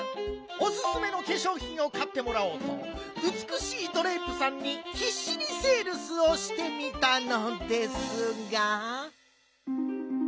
おすすめのけしょうひんをかってもらおうとうつくしいドレープさんにひっしにセールスをしてみたのですが。